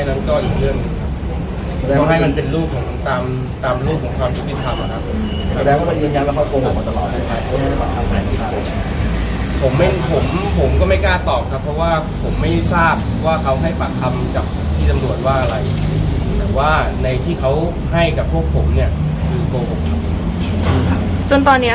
แล้วไม่ได้ก็อีกเรื่องเขาให้มันเป็นรูปตามรูปของความที่มีความคิดทำ